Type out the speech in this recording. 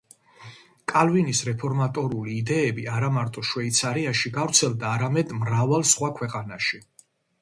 კალვინის რეფორმატორული იდეები არამარტო შვეიცარიაში გავრცელდა, არამედ მრავალ სხვა ქვეყანაში.